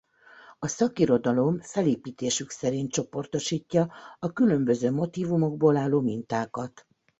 A szakirodalom felépítésük szerint csoportosítja a különböző motívumokból álló mintákat.